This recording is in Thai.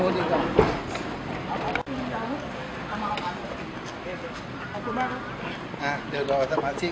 โอเคครับขอบคุณมากครับพี่ที่